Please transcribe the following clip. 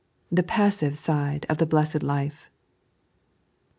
The Passive Side of the Blessed Life.